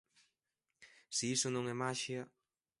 Se iso non é maxia...